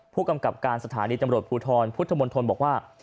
ผู้กำกับการสถานีตำรวจภูทรพุทธมนตรบอกว่า